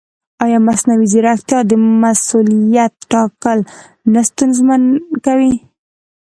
ایا مصنوعي ځیرکتیا د مسؤلیت ټاکل نه ستونزمن کوي؟